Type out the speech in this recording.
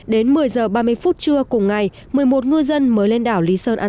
đến một mươi h ba mươi phút trưa cùng ngày một mươi một ngư dân mới lên đảo lý sơn an